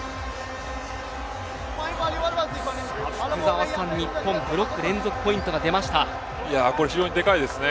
福澤さん、日本、ブロック連続ポイントが出ましこれ、非常にでかいですね。